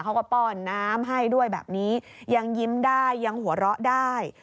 ป้อนน้ำให้ด้วยแบบนี้ยังยิ้มได้ยังหัวเราะได้